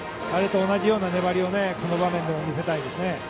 あれと同じような粘りをこの場面でも見せたいですね。